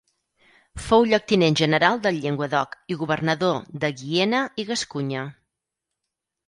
Fou lloctinent general del Llenguadoc i governador de Guiena i Gascunya.